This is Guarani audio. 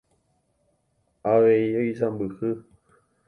Avei oisãmbyhy.